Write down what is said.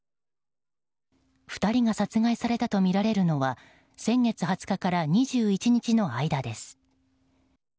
２人が殺害されたとみられるのは先月２０日から２１日の間です。